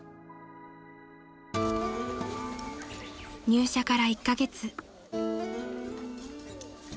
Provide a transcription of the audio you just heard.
［入社から１カ月］